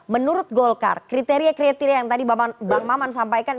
menurut golkar kriteria kriteria yang tadi bang maman sampaikan